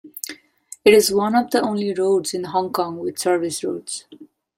It is one of the only roads in Hong Kong with service roads.